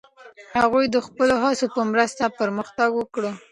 هغوی د خپلو هڅو په مرسته پرمختګ وکړ.